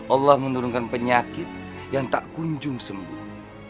allah menurunkan penyakit yang tak kunjung sembuh